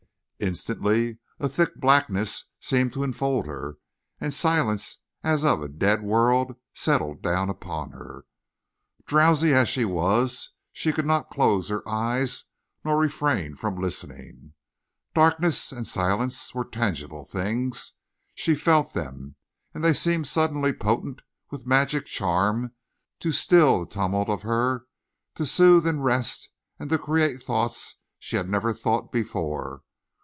Instantly a thick blackness seemed to enfold her and silence as of a dead world settled down upon her. Drowsy as she was, she could not close her eyes nor refrain from listening. Darkness and silence were tangible things. She felt them. And they seemed suddenly potent with magic charm to still the tumult of her, to soothe and rest, to create thoughts she had never thought before.